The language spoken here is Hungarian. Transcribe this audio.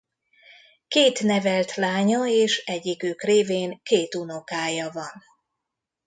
Két nevelt lánya és egyikük révén két unokája van.